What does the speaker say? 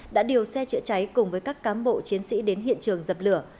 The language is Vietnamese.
đã điều xe chữa cháy cùng với các cám bộ chiến sĩ đến hiện trường dập lửa